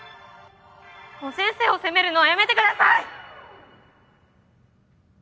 もう先生を責めるのはやめてください！